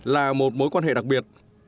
là một mối quan hệ đặc biệt